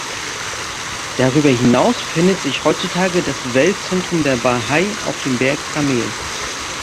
Darüber hinaus findet sich heutzutage das Weltzentrum der Bahai auf dem Berg Karmel.